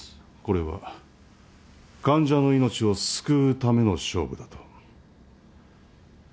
これは患者の命を救うための勝負だと。